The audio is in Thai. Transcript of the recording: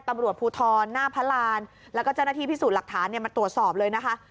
ตำรวจภูทรหน้าพระรานแล้วก็เจ้าหน้าที่พิสูจน์หลักฐานมาตรวจสอบเลยนะคะ